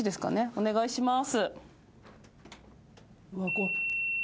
お願いします。